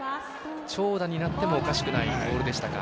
長打になってもおかしくないボールでしたか。